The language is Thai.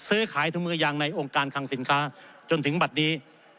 ซื้อขายถุงมือยางในองค์การคังสินค้าจนถึงบัตรนี้